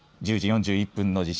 １０時４１分の地震。